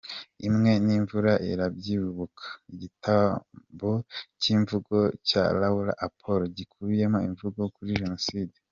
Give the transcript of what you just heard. "Emwe n'imvura irabyibuka", igitabo cy'imivugo cya Laura Apol gikubiyemo imivugo kuri Jenoside.